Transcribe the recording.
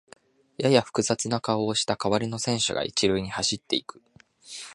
やや複雑な顔をした代わりの選手が一塁に走っていく